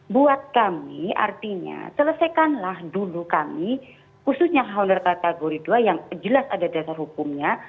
buat kami artinya selesaikanlah dulu kami khususnya honor kategori dua yang jelas ada dasar hukumnya